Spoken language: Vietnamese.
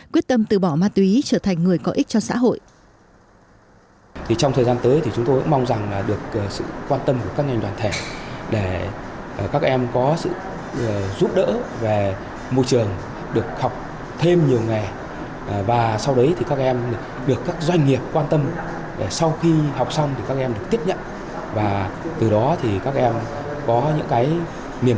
quyết tâm từ bỏ ma túy trở thành người có ích cho xã hội